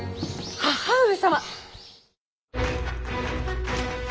母上様！